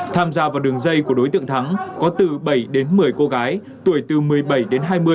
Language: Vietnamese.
tham gia vào đường dây của đối tượng thắng có từ bảy đến một mươi cô gái tuổi từ một mươi bảy đến hai mươi